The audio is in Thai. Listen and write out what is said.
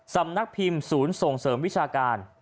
สำนักพิมพ์ศูนย์ส่งเสริมวิชาการ